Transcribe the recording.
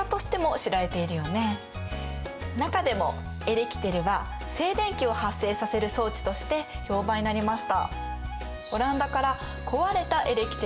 中でもエレキテルは静電気を発生させる装置として評判になりました。